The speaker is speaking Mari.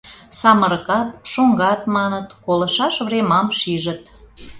— Самырыкат, шоҥгат, маныт, колышаш времам шижыт.